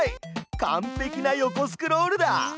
完ぺきな横スクロールだ！